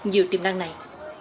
như tiềm năng này